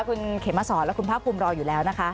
คุณเขมศรและคุณพระคุมรออยู่แล้วนะคะ